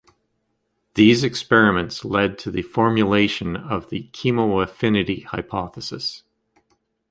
These experiments led to the formulation of the Chemoaffinity hypothesis.